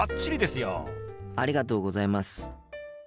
ありがとうございます。